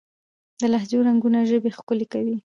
د لهجو رنګونه ژبه ښکلې کوي.